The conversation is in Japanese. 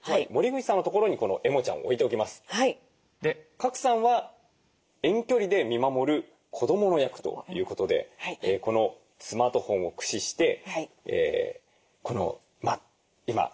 賀来さんは遠距離で見守る子どもの役ということでこのスマートフォンを駆使して今熱中症が心配な時期ですからね